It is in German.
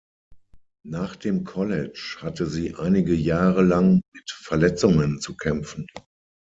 Nach dem College hatte sie einige Jahre lang mit Verletzungen zu kämpfen.